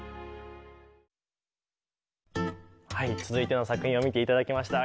はい続いての作品を見て頂きました。